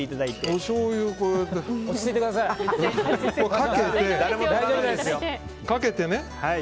おしょうゆをかけて。